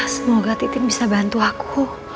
semoga titin bisa bantu aku